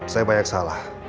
saya banyak salah